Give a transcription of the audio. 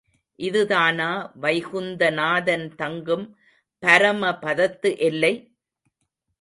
இதுதானா வைகுந்தநாதன் தங்கும் பரமபதத்து எல்லை?